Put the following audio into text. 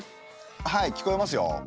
はい聞こえますよ。